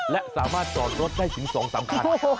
และสามารถจอดรถได้ถึง๒๓คัน